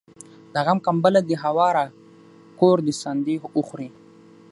د غم کمبله دي هواره کور دي ساندي وخوري